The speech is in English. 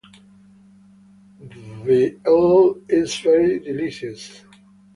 The eel is very delicious.